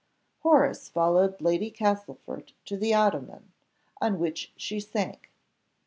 Horace followed Lady Castlefort to the ottoman, on which she sank.